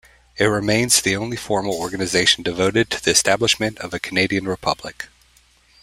It remains the only formal organization devoted to the establishment of a Canadian republic.